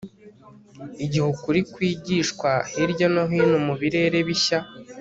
Igihe ukuri kwigishwa hirya no hino mu birere bishya